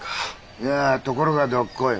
いやところがどっこい。